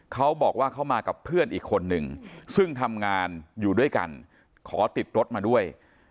เขาบอกว่าเขามากับเพื่อนอีกคนนึงซึ่งทำงานอยู่ด้วยกันขอติดรถมาด้วย